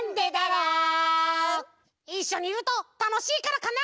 いっしょにいるとたのしいからかな？